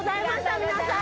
皆さん。